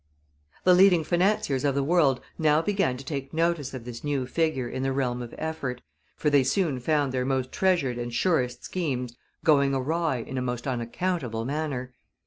The leading financiers of the world now began to take notice of this new figure in the realm of effort, for they soon found their most treasured and surest schemes going awry in a most unaccountable manner.